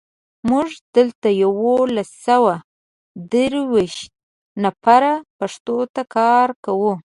موږ دلته یولس سوه درودېرش نفره پښتو ته کار کوو.